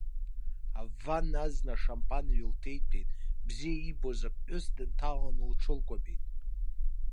Аванна азна ашампан ҩы лҭеиҭәан, бзиа иибоз аԥҳәыс дынҭаланы лҽылкәабеит.